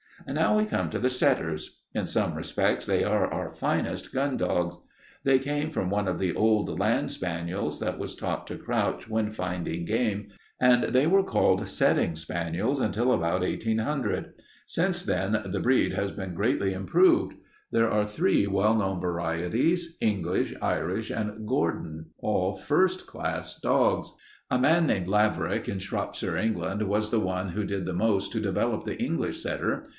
"Now we come to the setters. In some respects they are our finest gun dogs. They came from one of the old land spaniels that was taught to crouch when finding game and they were called setting spaniels until about 1800. Since then the breed has been greatly improved. There are three well known varieties, English, Irish, and Gordon, all first class dogs. "A man named Laverack in Shropshire, England, was the one who did the most to develop the English setter.